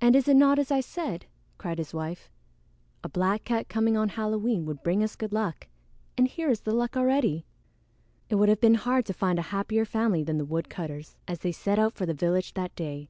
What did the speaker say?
"And is it not as I said?" cried his wife. "A black cat coming on Halloween would bring us good luck, and here is the luck already!" It would have been hard to find a happier family than the woodcutter's as they set out for the village that day.